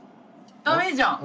ダメじゃん！